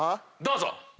どうぞ！